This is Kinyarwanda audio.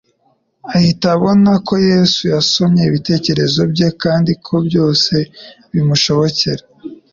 Ahita abona ko Yesu yasomye ibitekerezo bye, kandi ko byose bimushobokera.